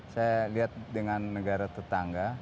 saya lihat dengan negara tetangga